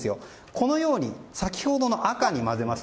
このように先ほどの赤に混ぜます。